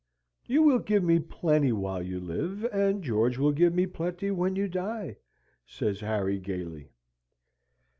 "You will give me plenty while you live, and George will give me plenty when you die," says Harry, gaily.